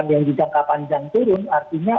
yang di jangka panjang turun artinya